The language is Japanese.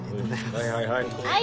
はいはいはい。